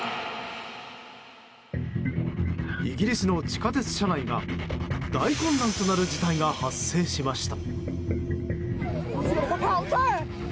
イギリスの地下鉄車内が大混乱となる事態が発生しました。